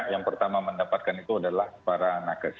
yang pertama mendapatkan itu adalah para nakes